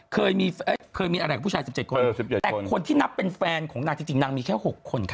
เคยมีอะไรกับผู้ชาย๑๗คนแต่คนที่นับเป็นแฟนของนางจริงนางมีแค่๖คนค่ะ